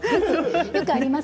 よくあります。